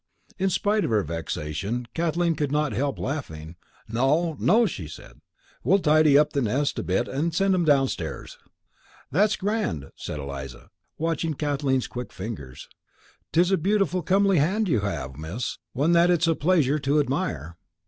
In spite of her vexation, Kathleen could not help laughing. "No, no," she said. "We'll tidy up the nest a bit and send them upstairs." "That's grand," said Eliza, watching Kathleen's quick fingers. "'Tis a beautiful comely hand you have, miss, one that it's a pleasure to admire."